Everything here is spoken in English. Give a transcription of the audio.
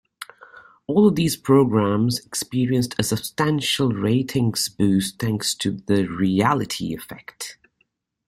All of these programmes experienced a substantial ratings boost thanks to the "Reality Effect".